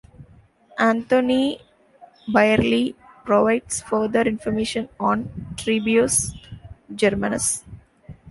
Anthony Birley provides further information on Trebius Germanus.